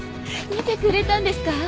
見てくれたんですか？